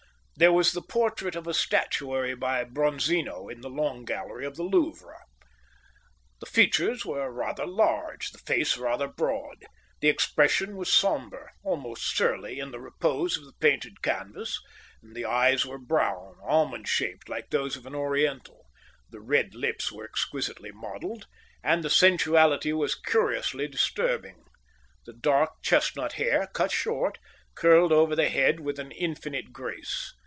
There was the portrait of a statuary by Bronzino in the Long Gallery of the Louvre. The features were rather large, the face rather broad. The expression was sombre, almost surly in the repose of the painted canvas, and the eyes were brown, almond shaped like those of an Oriental; the red lips were exquisitely modelled, and the sensuality was curiously disturbing; the dark, chestnut hair, cut short, curled over the head with an infinite grace.